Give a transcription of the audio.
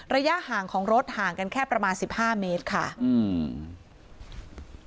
ระยะห่างของรถห่างกันแค่ประมาณสิบห้าเมตรค่ะอืม